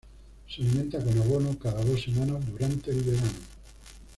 Se alimenta con abono cada dos semanas durante el verano.